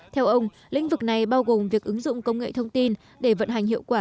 theo ông lĩnh vực này bao gồm việc ứng dụng công nghệ thông tin để vận hành hiệu quả